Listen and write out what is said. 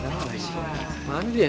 gimana sih mana dia